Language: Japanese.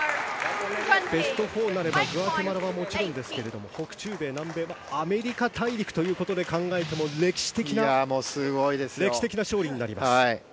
ベスト４なればグアテマラはもちろんですが北中米、南米のアメリカ大陸ということで考えても歴史的な勝利になります。